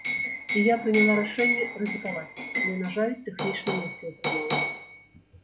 І я прыняла рашэнне рызыкаваць, але на жаль тэхнічна не ўсё атрымалася.